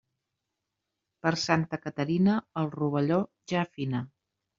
Per Santa Caterina, el rovelló ja fina.